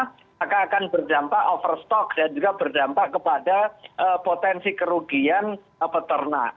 maka akan berdampak overstock dan juga berdampak kepada potensi kerugian peternak